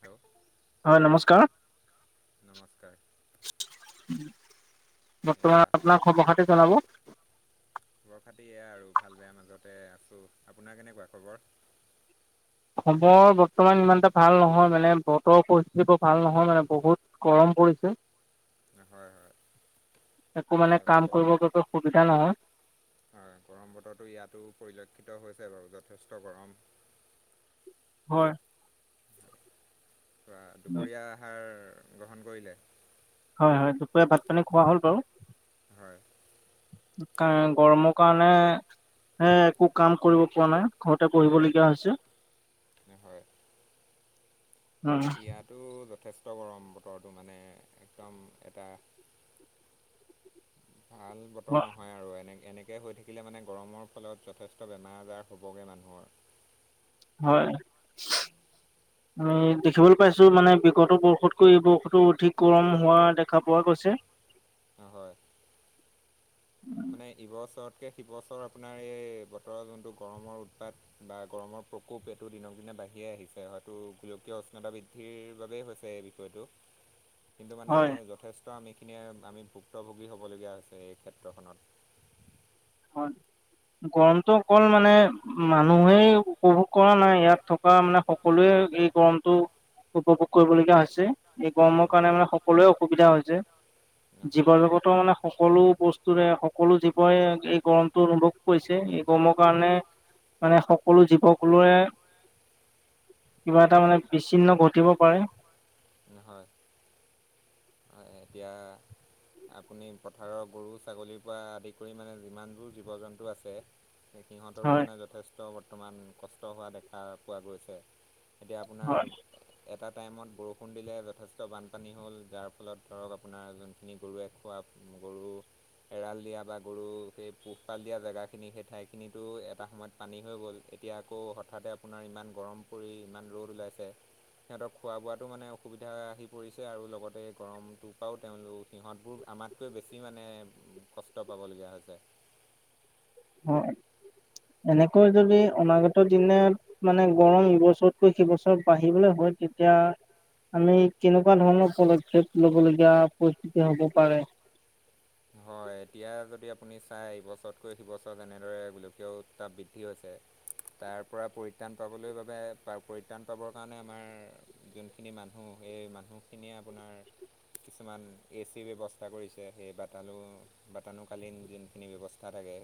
Hello হয় নমস্কাৰ। নমস্কাৰ [inaudible] এয়া বৰ্তমান আপোনাক খবৰ খাতে জনাব। বেয়া আৰু ভাল, বেয়া মাজতে আছো আপোনাৰ কেনেকুৱা খবৰ? খৰ বৰ্তমান ইমানটা ভাল নহয় মানে বতৰৰ পৰিস্থিতি বৰ ভাল নহয় মানে বহুত গৰম পৰি হয় হয় একো অ, মানে কাম গ- কৰিব বাবে সুবিধা নহয়। হয় গৰম বতো ইয়াতো পৰিলক্ষিত হৈছে বাৰু য যথেষ্ট গৰম। হয়, দুপৰীয়া আহাৰ গ্ৰহণ কৰিলে? হয় হয় দুপৰিয়া ভাত পানী খোৱা হ'ল বাৰু। হয়। কাৰণ গৰমৰকাৰণে হে একো কাম কৰিব পৰা নাই, ঘৰতে পঢ়িবলগীয়া হৈছে। হয়। উ ইয়াতো যথেষ্ট ত গৰম বতৰটো মানে একদম এটা ভাল বতৰ নহয় আৰু এনে এনেকৈ হৈ থাকিলে মানে গৰমৰ ফলত যথেষ্ট বেমাৰ আজাৰ হ'বগৈ মানুহৰ। হয়। উম দেখিবলৈ পাইছো, মানে বিগত বৰ্ষতকৈ এই বৰ্ষতো অধিক গৰম হোৱা দেখা পোৱা কৈছে হয়। মানে ইবছৰতকে শিৱছৰ আপোনাৰ এই বতৰৰ যোনটো গৰমৰ উৎপাত বা গৰমৰ প্ৰকোপ এইটো দিনক দিনে বাঢ়িয়ে আহিছে, হয়তো গোলকীয় উষ্ণতা বৃদ্ধিৰ বাবেই হৈছে এই বিষয়টো। কিন্তু মানে হয় যথেষ্ট আমিখিনিয়ে আমি ভুক্তভোগী হ'বলগীয়া হৈছে, এই ক্ষেত্ৰখনত। হয়। গৰমতটো অকল মানে মানুহে উপভোগ কৰা নাই, ইয়াত থকা মানে সকলোৱে এই গৰমটো উপভোগ কৰিবলগীয়া হৈছে, এই গৰমৰ কাৰণে হয় মানে সকলো অসুবিধা হৈছে। জীৱ হয় হয় জগত মানে সকলো বস্তুৰে সকলো জীৱই গৰমতটো অনুভৱ কৰিছে, এই গৰমৰ কাৰণে মানে সকলো জীৱবোৰে কিবা এটা মানে বিচ্ছিন্ন ঘটিব পাৰে। অ' এতিয়া। আপুনি পথাৰৰ গৰু, ছাগলীৰ পৰা আদি কৰি মানে যিমানবোৰ জীৱ জন্তু আছে। সিহঁতৰো হয় মানে যথেষ্ট বৰ্তমান কষ্ট হোৱা দেখা পোৱা গৈছে। এতিয়া আপোনাৰ হয় এটা টাইমত বৰষুণ দিলে যথেষ্ট বানপানী হ'ল, যাৰ ফলত ধৰক আপোনাৰ যোনখিনি গৰুৱে খোৱা গৰু এৰাল দিয়া বা গৰু সেই পোহপাল দিয়া জেগা খিনি সেই ঠাই খিনিতো এটা সময়ত পানী হৈ গ'ল। এতিয়া আকৌ হঠাতে আপোনাৰ ইমান গৰম পৰি ইমান ৰ'দ ওলাইছে। সিহঁতক খোৱা বোৱাতো মানে অসুবিধা আহি পৰিছে আৰু লগতে গৰম তটোপৰাও তেওঁলোক সিহঁতবোৰ আমাতকৈ বেছি মানে কষ্ট পাবলগীয়া হৈছে। অ'। এনেকৈ যদি অনাগত দিনত মানে গৰম এইবছৰতকৈ সেইবছৰ বাঢ়িবলৈ হয় তেতিয়া আমি কেনেকুৱা ধৰণৰ পদক্ষেপ লব লগগীয়া পৰিস্থিতি হব পাৰে? হয়। এতিয়া যদি আপুনি চাই এইবছৰতকৈ সি বছৰ যেনেদৰে গোলকীয় উৎতাপ বৃদ্ধি হৈছে। তাৰ পৰা পৰিত্ৰাণ পাবলৈ বাবে পৰিত্ৰাণ পাবৰ কাৰণে আমাৰ যোনখিনি মানুহ সেই মানুহখিনিয়ে আপোনাৰ কিছুমান এ চিৰ ব্যৱস্থা কৰিছে, সেই বাটালু বাতানুকালীন যোনখিনি ব্যৱস্থা থাকে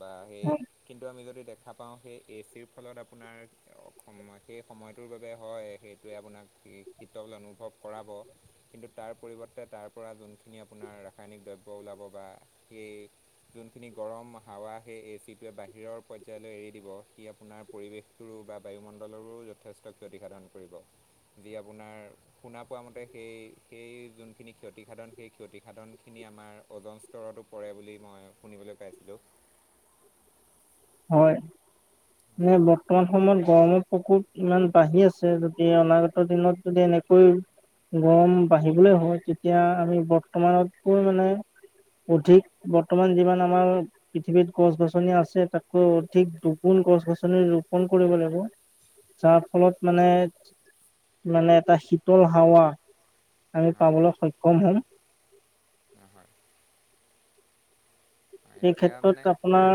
বা সেই কিন্তু আমি যদি দেখা পাওঁ সেই এ চিৰ ফলত আপোনাৰ সেই সময়টোৰ বাবে হয়, সেইটোৱে আপোনাক শীতল অনুভৱ কৰাব, কিন্তু তাৰ পৰিৱৰ্তে তাৰ পৰা যোনখিনি আপোনাৰ ৰাসায়নিক দ্ৰব্য ওলাব বা সেই যোনখিনি গৰম হাৱা সেই এ চিটোৱে বাহিৰৰ পৰ্যায়লৈ এৰি দিব, সি আপোনাৰ পৰিৱেশটোৰো বা বায়ুমণ্ডলৰবোৰো যথেষ্ট ক্ষতিসাধন কৰিব। যি আপোনাৰ শুনা পোৱা মতে সেই-সেই যোনখিনি ক্ষতিসাধন সেই ক্ষতিসাধনখিনি আমাৰ অজন স্তৰতো পৰে বুলি মই শুনিবলৈ পাইছিলোঁ। হয়। নে বৰ্তমান সময়ত গৰমৰ প্ৰকোপ ইমান বাঢ়ি আছে, গতি অনাগত দিনত যদি এনে কৈ গৰম বাঢ়িবলৈ হয় তেতিয়া আমি বৰ্তমানতকৈ মানে অধিক বৰ্তমান যিমান আমাৰ পৃথিৱীত গছ-গছনি আছে তাত। ঠিক দুগুণ গছ-গছনি ৰোপন কৰিব লাগিব। যাৰ ফলত মানে, মানে এটা শীতল হাৱা আমি পাবলৈ সক্ষম হম। নহয়। এই মানে ক্ষেত্ৰত আপোনাৰ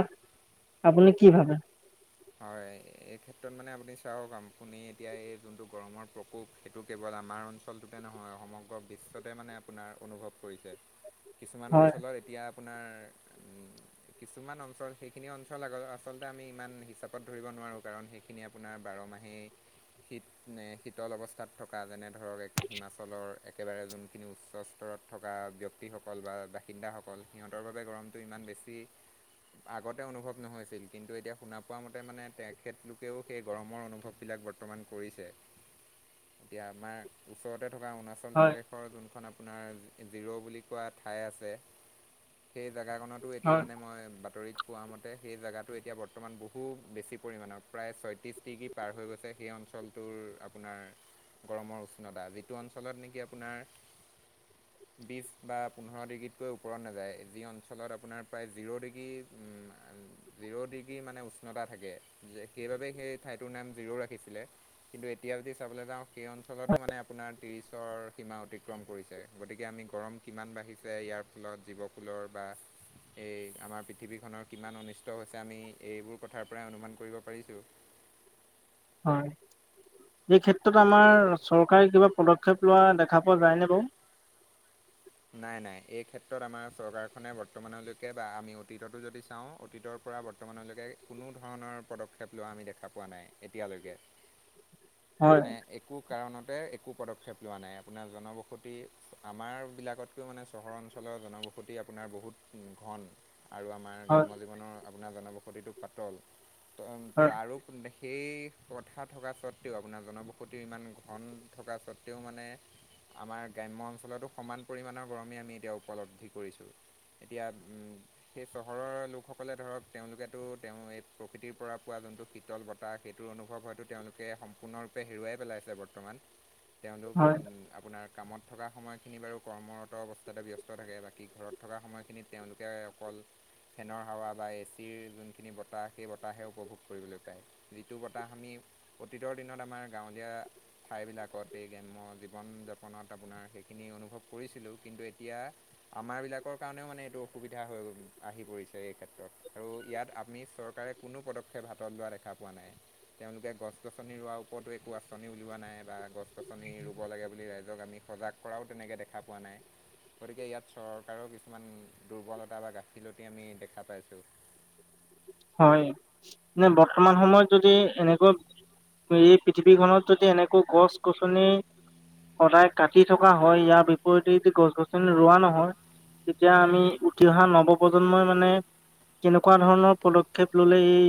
আপুনি কি ভাবে? হয়, এই ক্ষেত্ৰত মানে আপুনি চাওক, আপুনি এতিয়া এই যোনটো গৰমৰ প্ৰকোপ সেইটো কেৱল আমাৰ অঞ্চলটোতে নহয় সমগ্ৰ বিশ্বতে মানে আপোনাৰ অনুভৱ কৰিছে। কিছুমান হয় অঞ্চলৰ এতিয়া। আপোনাৰ কিছুমান অঞ্চল, সেইখিনি অঞ্চল আগ আচলতে আমি ইমান হিচাপ ত ধৰিব নোৱাৰোঁ। কাৰণ সেইখিনি আপোনাৰ বাৰ মাহেই শীত এ শীতল অৱস্থাত থকা যেনে ধৰক হিমাচলৰ একেবাৰে যোনখিনি উচ্চ স্তৰৰ। ৰ'দত থকা ব্যক্তিসকল বা বাসিন্দাসকল সিহঁতৰ বাবে গৰমটো ইমান বেছি আগতে অনুভৱ নহৈছিল কিন্তু এতিয়া শুনা পোৱা মতে মানে তেখেতলোকেও সেই গৰমৰ অনুভৱবিলাক বৰ্তমান কৰিছে। এতিয়া আমাৰ ওচৰতে থকা অৰুণাচল হয় প্ৰদেশৰ যোনখন। আপোনাৰ জিৰ' বুলি কোৱা ঠাই আছে। সেই জেগাকনতো এতিয়া হয় মানে, মই বাতৰিত পোৱা মতে, সেই জেগাটো এতিয়া বৰ্তমান বহু। খুব বেছি পৰিমাণৰ প্ৰায়, ছয়ত্ৰিছ ডিগ্ৰী পাৰ হৈ গৈছে সেই অঞ্চলটোৰ আপোনাৰ গৰমৰ উষ্ণতা যিটো অঞ্চলত নেকি আপোনাৰ। বিছ বা পোন্ধৰ ডিগ্ৰীতকৈ ওপৰত নাযায়, যি অঞ্চলত আপোনাৰ প্ৰায় জিৰ' ডিগ্ৰী। জিৰ' ডিগ্ৰী মানে উষ্ণতা থাকে। যে সেইবাবেই সেই ঠাইটোৰ নাম জিৰ'ও ৰাখিছিলে। কিন্তু এতিয়া যদি চাবলৈ যাওঁ। সেই অঞ্চলতো মানে আপোনাৰ ত্ৰিছৰ সীমা অতিক্ৰম কৰিছে। গতিকে আমি গৰম কিমান বাঢ়িছে ইয়াৰ ফলত জীৱকুলৰ বা এই আমাৰ পৃথিৱীখনৰ কিমান অনিষ্ট হৈছে আমি এইবোৰ কথাৰ পৰাই অনুমান কৰিব পাৰিছো। হয়। এই ক্ষেত্ৰত আমাৰ চৰকাৰে কিবা পদক্ষেপ লোৱা দেখা পোৱা যায় নে বাৰু? [unintelligible] নাই, নাই এই ক্ষেত্ৰত আমাৰ চৰকাৰখনে বৰ্তমানলৈকে বা আমি অতীততো যদি চাওঁ অতীতৰ পৰা বৰ্তমানলৈকে কোনো ধৰণৰ পদক্ষেপ লোৱা আমি দেখা পোৱা নাই এতিয়ালৈকে। হয়, মানে একো কাৰণত একো পদক্ষেপ লোৱা নাই। আপোনাৰ জনবসতি আমাৰ বিলাক আগতকৈও মানে চহৰ অঞ্চলৰ জনবসতি আপোনাৰ বহুত ঘন আৰু আমাৰ হয়, গ্ৰাম্য জীৱনৰ। আপোনাৰ জনবসতিটো পাতল। তৰো হয়, আৰু সেই কথা থকা স্বত্বেও, আপোনাৰ জনবসতি ইমান ঘন থকা স্বত্বেও মানে আমাৰ গ্ৰাম্য অঞ্চলতো সমান। পৰিমাণৰ গৰমেই আমি এতিয়া উপলব্ধি কৰিছোঁ। এতিয়া সেই চহৰৰ লোকসকলে ধৰক তেওঁলোকেতো তেওঁ এই প্ৰকৃতিৰ পৰা পোৱা যোনটো শীতল বতাহ সেইটোৰ অনুভৱ হয়তো তেওঁলোকে সম্পূৰ্ণ সম্পূৰ্ণৰূপে হেৰুৱাই পেলাইছে বৰ্তমান। তেওঁলোক হয়, আপোনাৰ কামত থকা সময়খিনি বাৰু। কৰ্মৰত অৱস্থাতে ব্যস্ত থাকে। বাকী ঘৰত থকা সময়খিনিত তেওঁলোকে অকল ফেনৰ হাৱা বা এ চিৰ যোনখিনি বতাহ, সেই বতাহে উপভোগ কৰিবলৈ পায়। যিটো বতাহ আমি অতীতৰ দিনত আমাৰ গাঁৱলীয়া ঠাই বিলাকত এই গ্ৰাম্য জীৱন-যাপনত আপোনাৰ সেই। ইখিনি অনুভৱ, কৰিছিলোঁ। কিন্তু এতিয়া আমাৰ বিলাকৰ কাৰণেও মানে এইটো অসুবিধা হৈ আহি পৰিছে। এই ক্ষেত্ৰ- আৰু ইয়াত আমি চৰকাৰে কোনো পদক্ষেপ হাতত লোৱা দেখা পোৱা নাই। তেওঁলোকে গছ-গছনি বা ওপৰতো একো আঁচনি উলওৱা নাই বা গছ গছনি ৰুব লাগে বুলি ৰাইজক আমি সজাগ কৰাও তেনেকে দেখ- খা পোৱা নাই। গতিকে, ইয়াত চৰকাৰৰ কিছুমান দুৰ্বলতা বা গাফিলতি আমি দেখা পাইছো। [inaudible] হয়, নে বৰ্তমান সময়ত যদি এনেকৈ। এই পৃথিৱীখনত যদি এনেকৈ গছ-গছনি সদায় কাটি থকা হয়। ইয়াৰ বিপৰীতে যদি গছ-গছনি ৰোৱা নহয়। তেতিয়া আমি উঠি অহা নৱপ্ৰজন্মই মানে, কেনেকুৱা ধৰণৰ পদক্ষেপ ললে এই,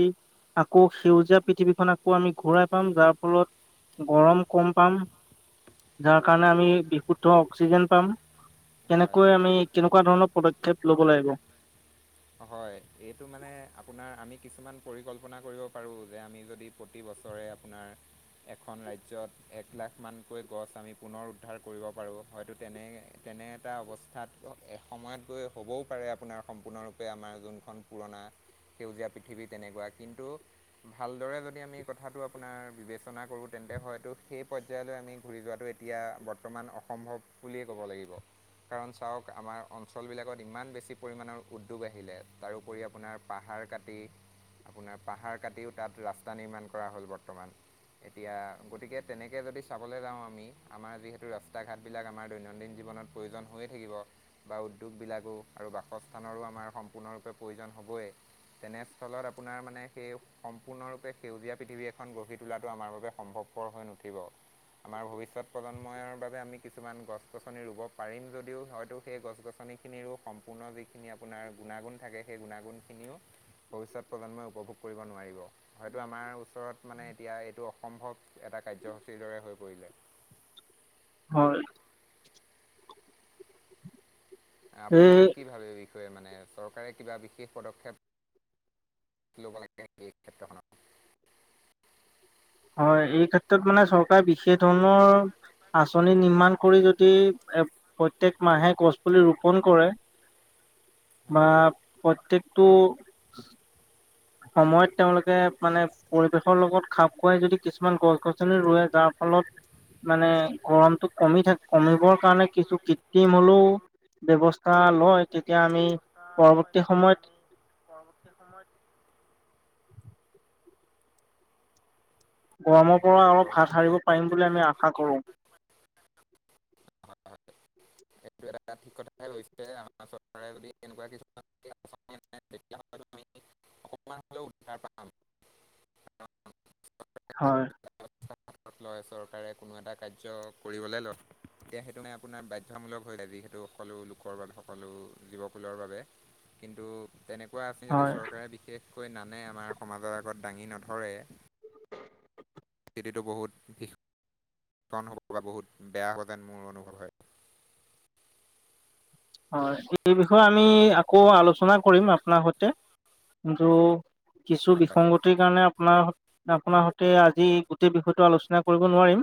আকৌ সেউজীয়া পৃথিৱীখন আকৌ আমি ঘূৰাই পাম। যাৰ ফলত গৰম কম পাম, যাৰ কাৰণে আমি বিশুদ্ধ অক্সিজেন পাম, হয় কেনেকৈ আমি কেনেকুৱা ধৰণৰ পদক্ষেপ লব লাগিব? হয়, এইটো মানে আপোনাৰ, আমি কিছুমান পৰিকল্পনা কৰিব পাৰো। যে আমি যদি প্ৰতি ব- বছৰে আপোনাৰ এখন ৰাজ্যত এক লাখ মানকৈ গছ আমি পুনৰ উদ্ধাৰ কৰিব পাৰো। হয়তো তেনে তেনে এটা অৱস্থাত এসময়ত গৈ হ'বও পাৰে আপোনাৰ সম্পূৰ্ণৰূপ তে আমাৰ যোনখন পুৰণা সেউজীয়া পৃথিৱী তেনেকুৱা কিন্তু ভালদৰে যদি আমি কথাটো আপোনাৰ বিবেচনা কৰো। তেন্ত যে হয়তো সেই পৰ্যায়লৈ আমি ঘূৰি যোৱাটো এতিয়া বৰ্তমান অসম্ভৱ বুলিয়েই ক'ব লাগিব। কাৰণ, চাওক আমাৰ অঞ্চলবিলাকত ইমান বেছি পৰিমাণৰ উ টুব আহিলে তাৰোপৰি আপোনাৰ পাহাৰ কাটি, আপোনাৰ পাহাৰ কাটিও তাত ৰাস্তা নিৰ্মাণ কৰা হ'ল বৰ্তমান। এতিয়া গতিকে, তেনেকে যদি চাবলৈ যাওঁ আমি আমাৰ যিহেতু ৰাস্তা ঘাট বিলাক আমাৰ দৈনন্দিন জীৱ জীৱনত প্ৰয়োজন হৈয়ে থাকিব। বা উদ্যোগবিলাকো আৰু বাসস্থানৰো আমাৰ সম্পূৰ্ণৰূপে প্ৰয়োজন হ'বই। তেনেস্থলত আপোনাৰ মানে সেই সম্পূৰ্ণৰূপে সেউজীয়া পৃথিৱী এখন গঢ়ি তোলাটো আমাৰ বাবে সম্ভৱপৰ হৈ নুঠিব। আমাৰ ভৱিষ্যত প্ৰজন্মৰ বাবে আমি কিছুমান গছ-গছনি ৰুব পাৰিম, যদিও হয়তো সেই গছ- গছনি, নীখিনিৰো সম্পূৰ্ণ যিখিনি আ- আপোনাৰ গুণাগুণ থাকে। সেই গুণাগুণখিনিও ভৱিষ্যত প্ৰজন্মই উপভোগ কৰিব নোৱাৰিব। হয়টো আমাৰ ওচৰত মানে এতিয়া এইটো অসম্ভৱ এটা কাৰ্যসূচীৰ দৰে হৈ পৰিলে। হয়। আপুনি এই কি ভাবে? বিষয়ে মানে চৰকাৰে কিবা বিশেষ পদক্ষেপ লব লাগে সেইক্ষেত্ৰখনত হয়, এই ক্ষেত্ৰত মানে চৰকাৰে বিশেষ ধৰণৰ আঁচনি নিৰ্মাণ কৰি যদি এ প্ৰত্যেক মাহে গছ পুলি ৰোপন কৰে। উ। [unintelligible] বা প্ৰত্যেকটো সময়ত তেওঁলোকে মানে পৰিৱেশৰ লগত খাপ খুৱাই যদি কিছুমান গছ -গছনি ৰুৱে যাৰ হেল্ল। মানে গৰমতটো কমি থা, কমিবৰ কাৰণে কিছু কৃত্ৰিম হলেও ব্যবছ- সুব্যৱস্থা লয়। তেতিয়া সময়ত আমি পৰৱৰ্তী সময়ত গৰমৰ পৰা অলপ পৰৱৰ্তী হাত সাৰিব সময়ত হয়তো পাৰিম বুলি আমি আশা কৰোঁ। সেইটো এটা ঠিক কথাই কৈছে আমাৰ চৰকাৰে যদি এনেকুৱা কিছুমান [unintelligible] তেতিয়া, তেতিয়া হলে আমি অকণমান হলেও উদ্ধাৰ পাম। হয়। লয় চৰকাৰে কোনো এটা কাৰ্য কৰিবলে ল- এতিয়া সেইটো মানে আপোনাৰ বাধ্যামূলক হৈ যায়। যিহেতু সকলো লোকৰ বাবে সকলো জীৱকুলৰ বাবে। কিন্তু তেনেক- কোৱা আছে যদি হয় চৰকাৰে বিশেষকৈ নানে আমাৰ সমাজৰ আগত দাঙি নধৰে হিটো বহুত বিষ কণ হ'ব বা বহুত বেয়া হ'ব যেন মোৰ অনুভৱ হয় হয় এই বিষয়ে আমি আকৌ আলোচনা কৰিম আপোনাৰ সৈতে কিন্তু কিছু বিসংগতিৰ কাৰণে আপ অ আপোনাৰ সতে আজি গোটেই বিষয়টো আলোচনা কৰিব নোৱাৰিম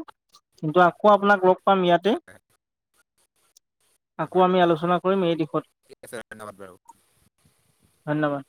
কিন্তু আকৌ, আপোনাক লগ পাম ইয়াতে। [unintelligible] আকৌ হয় আমি আলোচনা কৰিম এই দিশত। ঠিক আছে ধন্যবাদ বাৰু ধন্যবাদ।